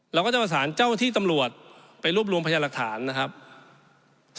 เราก็จะมาสารเจ้าที่ตำรวจไปรวบรวมพยาบาลหลักฐาน